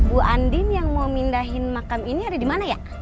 bu andin yang mau mindahin makam ini ada di mana ya